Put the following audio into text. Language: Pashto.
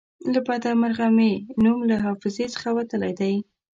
له بده مرغه مې نوم له حافظې څخه وتلی دی.